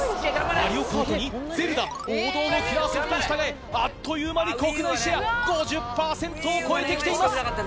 『マリオカート』に『ゼルダ』王道のキラーソフトを従えあっという間に国内シェア５０％を超えて来ています。